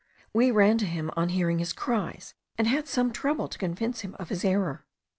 We ran to him on hearing his cries, and had some trouble to convince him of his error.